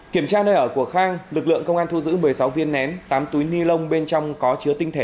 kiểm tra nơi ở của khang lực lượng công an thu giữ một mươi sáu viên nén tám túi ni lông bên trong có chứa tinh thể